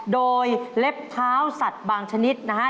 โดยเล็บเท้าสัตว์บางชนิดนะฮะ